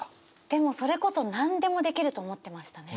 でもそれこそ何でもできると思ってましたね。